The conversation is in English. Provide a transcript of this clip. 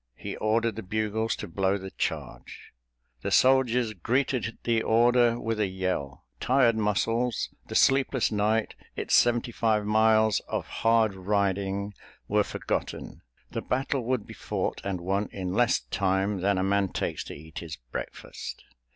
He ordered the bugles to blow the charge. The soldiers greeted the order with a yell—tired muscles, the sleepless night, its seventy five miles of hard riding, were forgotten. The battle would be fought and won in less time than a man takes to eat his breakfast.